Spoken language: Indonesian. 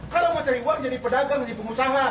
kalau mau cari uang jadi pedagang jadi pengusaha